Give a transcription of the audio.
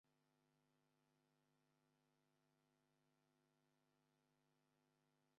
আমি এখান থেকে দেখব - ঠিক আছে, আমি যাচ্ছি।